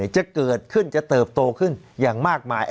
จะเกิดขึ้นจะเติบโตขึ้นอย่างมากมาย